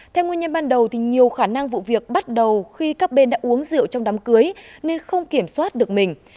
theo nguyên nhân ban đầu nhiều khả năng vụ việc bắt đầu khi các bên đã uống rượu trong đám cưới nên không kiểm soát được mình